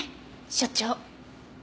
所長。